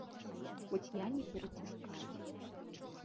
Хоць я не пераціскаю.